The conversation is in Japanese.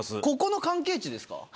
ここの関係値ですか？